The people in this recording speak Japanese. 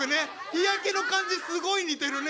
日焼けの感じすごい似てるね。